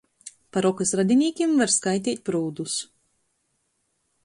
Par okys radinīkim var skaiteit prūdus.